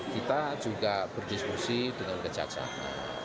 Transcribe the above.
kita juga berdiskusi dengan kejaksaan